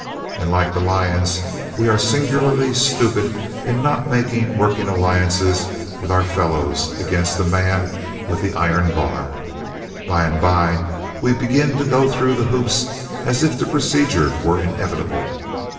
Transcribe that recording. And like the lions, we are singularly stupid in not making working alliances with our fellows against the man with the iron bar. By and by we begin to go through the hoops as if the procedure were inevitable.